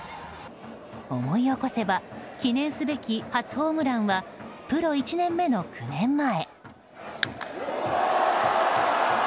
思い起こせば記念すべき初ホームランはプロ１年目の９年前。